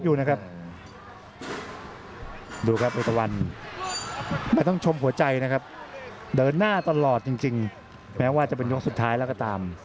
ดูนะครับดูครับเอกตะวันไม่ต้องชมหัวใจนะครับเดินหน้าตลอดจริงแม้ว่าจะเป็นยกสุดท้ายแล้วก็ตาม